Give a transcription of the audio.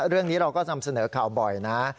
เรื่องนี้เราก็นำเสนอข่าวบ่อยนะ